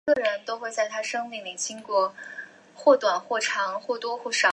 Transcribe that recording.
代表会主动攻击玩家的生物。